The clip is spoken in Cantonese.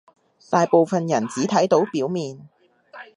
大部分人只睇到表面